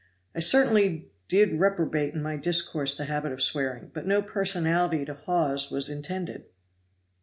I certainly did reprobate in my discourse the habit of swearing, but no personality to Hawes was intended."